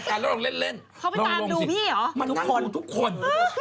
มันนั่งดูทุกคน